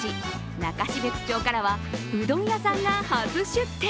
中標津町からはうどん屋さんが初出店。